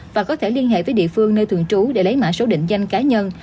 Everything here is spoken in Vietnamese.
và có thể liên hệ với địa phương nơi thường trú để lấy mã số định danh cá nhân